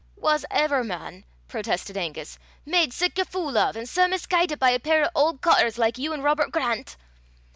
"Was ever man," protested Angus "made sic a fule o', an' sae misguidit, by a pair o' auld cottars like you an' Robert Grant!"